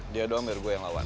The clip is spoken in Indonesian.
dia doang biar gue yang lawan